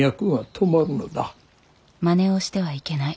まねをしてはいけない。